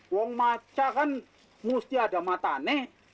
wang maca kan mesti ada mata nek